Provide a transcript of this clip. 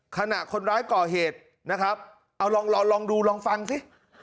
ขณะคนร้ายก่อเหตุนะครับเอาลองลองดูลองฟังสิ